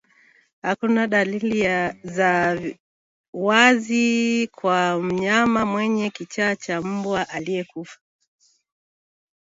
Hakuna dalili za wazi kwa mnyama mwenye kichaa cha mbwa aliyekufa